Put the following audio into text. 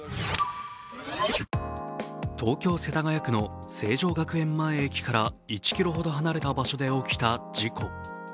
東京・世田谷区の成城学園前駅から１ｋｍほど離れた場所で起きた事故。